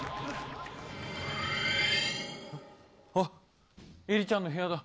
あっ、えりちゃんの部屋だ。